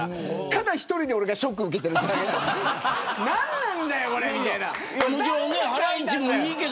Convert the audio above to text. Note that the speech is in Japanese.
ただ１人で俺がショックを受けてるだけ。